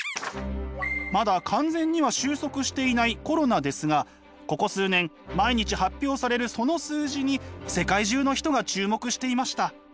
まだ完全には収束していないコロナですがここ数年毎日発表されるその数字に世界中の人が注目していました。